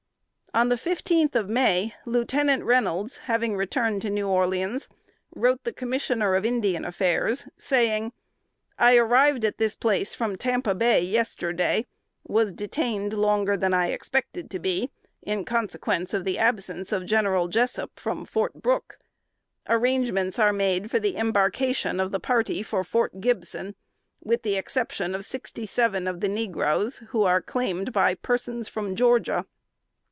On the fifteenth of May, Lieutenant Reynolds, having returned to New Orleans, wrote the Commissioner of Indian Affairs, saying, "I arrived at this place from Tampa Bay yesterday; was detained longer than I expected to be, in consequence of the absence of General Jessup from Fort Brooke. Arrangements are made for the embarkation of the party for 'Fort Gibson,' with the exception of sixty seven of the negroes, who are claimed by persons from Georgia.